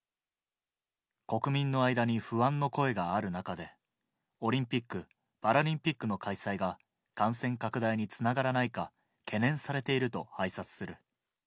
国民の間に不安の声がある中で、オリンピック・パラリンピックの開催が、感染拡大につながらないか、懸念されていると拝察する。